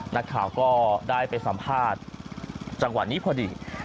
นักข่าวก็ได้ไปสัมภาษณ์จังหวะนี้พอดี